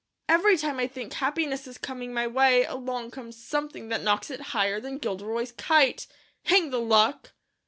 Every time I think happiness is coming my way, along comes something that knocks it higher than Gilderoy's kite. Hang the luck!"